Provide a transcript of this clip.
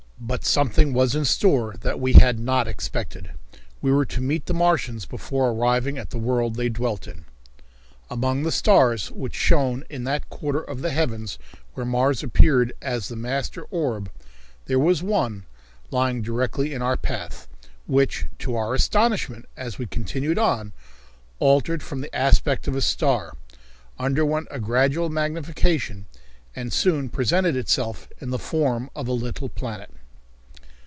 But something was in store that we had not expected. We were to meet the Martians before arriving at the world they dwelt in. Among the stars which shone in that quarter of the heavens where Mars appeared as the master orb, there was one, lying directly in our path, which, to our astonishment, as we continued on, altered from the aspect of a star, underwent a gradual magnification, and soon presented itself in the form of a little planet.